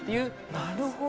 なるほど！